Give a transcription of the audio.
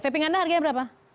vaping anda harganya berapa